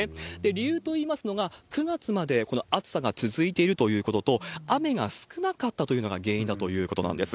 理由といいますのが、９月までこの暑さが続いているということと、雨が少なかったというのが原因だということなんです。